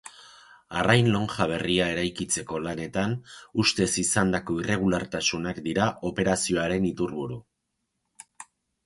Arrain lonja berria eraikitzeko lanetan ustez izandako irregulartasunak dira operazioaren iturburu.